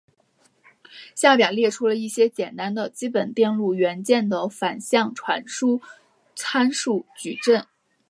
下表列出了一些简单的基本电路元件的反向传输参数矩阵。